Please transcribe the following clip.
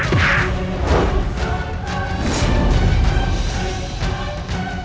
putra kukian santang